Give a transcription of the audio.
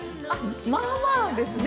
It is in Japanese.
まあまあですね。